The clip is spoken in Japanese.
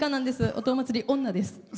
御燈祭り、女です。